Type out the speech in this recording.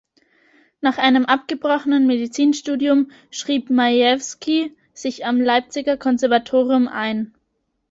Nach einem abgebrochenen Medizinstudium schrieb Majewski sich am Leipziger Konservatorium ein.